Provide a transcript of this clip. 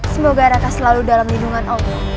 semoga raka selalu dalam lindungan allah